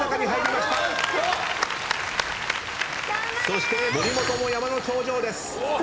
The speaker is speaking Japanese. そして森本も山の頂上です。